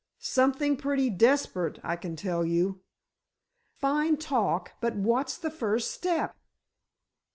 "Something pretty desperate, I can tell you!" "Fine talk, but what's the first step?"